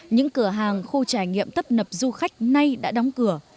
những cửa hàng khu trải nghiệm tấp nập du khách nay đã đóng cửa